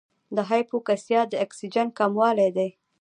د هایپوکسیا د اکسیجن کموالی دی.